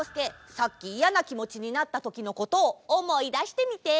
さっきいやなきもちになったときのことをおもいだしてみて！